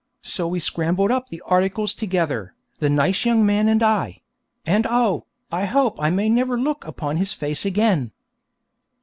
So we scrambled up the articles together, the nice young man and I; and oh, I hope I may never look upon his face again.